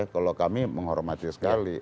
kalau kami menghormati sekali